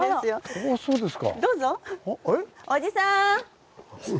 あっそうですか。